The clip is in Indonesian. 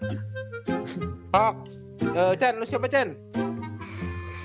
eh cyan lu siapa cyan